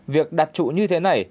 việc đặt trụ như thế này